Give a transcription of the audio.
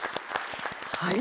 はい！